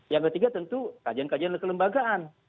yang ketiga tentu kajian kajian dan kelembagaan